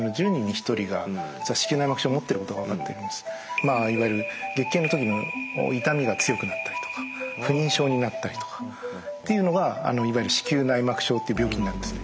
まあいわゆる月経の時の痛みが強くなったりとか不妊症になったりとかっていうのがいわゆる子宮内膜症っていう病気になるんですね。